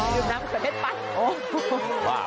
ดื่มน้ำมะเขือเทศปั๊ด